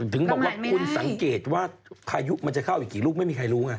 ถึงบอกว่าคุณสังเกตว่าพายุมันจะเข้าอีกกี่ลูกไม่มีใครรู้ไง